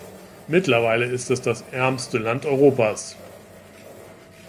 Mittlerweile ist es das ärmste Land Europas.